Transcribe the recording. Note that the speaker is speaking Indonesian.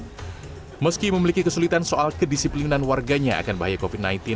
namun meski memiliki kesulitan soal kedisiplinan warganya akan bahaya covid sembilan belas